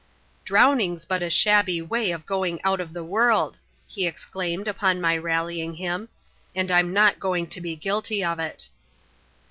" Browning's but a shabby way of going out of the world," he exclaimed, upon my rallying him ;" and Vm, aofc going to be guilty of it.